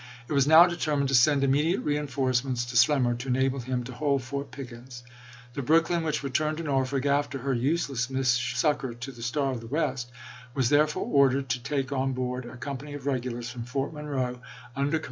It was now determined to send immediate reinforcements to Slemmer to enable him to hold Fort Pickens. The Brooklyn, which returned to Norfolk after her useless mission of succor to the Star of the West, was therefore ordered to take on board a company of regulars from Fort Monroe, under command " Mr. Buch anan's Ad ministra tion," p.